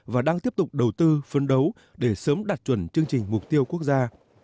và đang tiếp tục đầu tư phấn đấu để sớm đạt chuẩn chương trình mục tiêu quốc gia